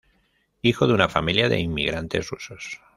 Hijo de una familia de inmigrantes rusos.